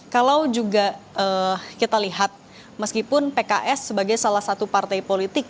kalau juga kita lihat meskipun pks sebagai salah satu partai politik